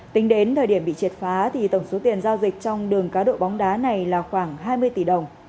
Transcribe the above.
tính đến thời điểm bị triệt phá tổng số tiền giao dịch trong đường cá độ bóng đá này là khoảng hai mươi tỷ đồng